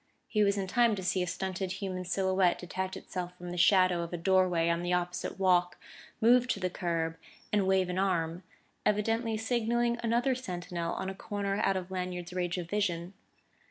He was in time to see a stunted human silhouette detach itself from the shadow of a doorway on the opposite walk, move to the curb, and wave an arm evidently signaling another sentinel on a corner out of Lanyard's range of vision.